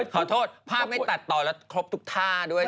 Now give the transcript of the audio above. ขอโทษภาพไม่ตัดต่อแล้วครบทุกท่าด้วย